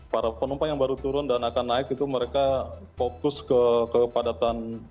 para penumpang yang baru turun dan akan naik itu mereka fokus ke kepadatan